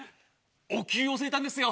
おきゅうを据えたんですよ。